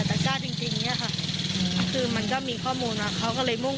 แต่กล้าจริงจริงเนี้ยค่ะคือมันก็มีข้อมูลว่าเขาก็เลยมุ่ง